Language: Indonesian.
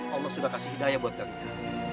allah sudah beri hidayah untuk kalian